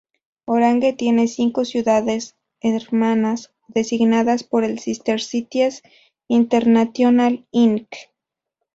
Orange tiene cinco ciudades hermanas, designadas por el Sister Cities International, Inc.